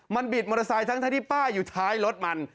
มันบิดมอเตอร์ไซค์ทั้งที่ป้าอยู่ท้ายรถมัน